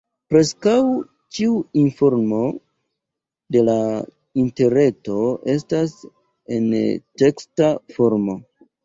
Preskaŭ ĉiu informo de la Interreto estas en teksta formo.